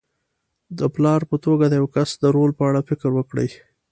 د پلار په توګه د یوه کس د رول په اړه فکر وکړئ.